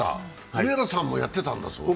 上原さんもやってたんだそうですね。